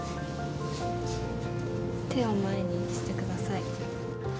手を前にして下さい。